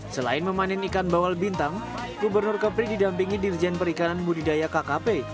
selain memanen ikan bawal bintang gubernur kepri didampingi dirjen perikanan budidaya kkp